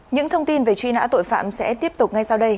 những thông tin về truy nã tội phạm sẽ tiếp tục ngay sau đây